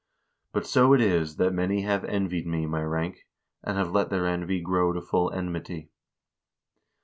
But so it is, that many have envied me my rank, and have let their envy grow to full enmity.